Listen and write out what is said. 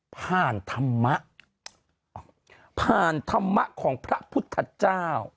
ธรรมะผ่านธรรมะของพระพุทธเจ้า